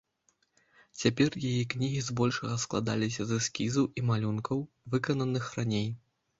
Цяпер яе кнігі збольшага складаліся з эскізаў і малюнкаў, выкананых раней.